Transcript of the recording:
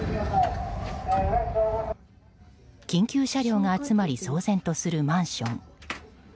緊急車両が集まり騒然とするマンション。